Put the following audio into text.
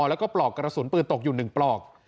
แล้วก็ปลอกปืนกระสุนตอบตกอยู่หนึ่งปลอก